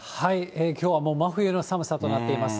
きょうはもう真冬の寒さとなっています。